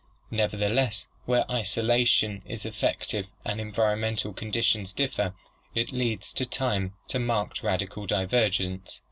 Neverthe less where isolation is effective and environmental conditions differ, it leads in time to marked racial divergence.